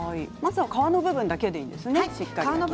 まずは皮の部分だけでいいんですね。